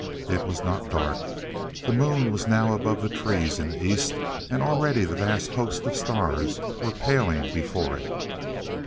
It was not dark. The moon was now above the trees in the east, and already the vast host of stars were paling before it.